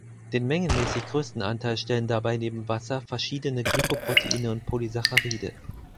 Den mengenmäßig größten Anteil stellen dabei, neben Wasser, verschiedene Glykoproteine und Polysaccharide.